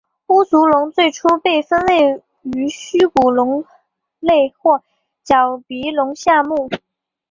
鸟足龙最初被分类于虚骨龙类或角鼻龙下目。